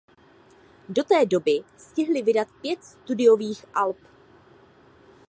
Do té doby stihli vydat pět studiových alb.